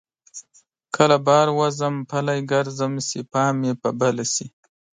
کله بهر وځم پلی ګرځم چې پام مې په بله شي.